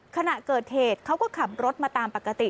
ขณะเกิดเหตุเขาก็ขับรถมาตามปกติ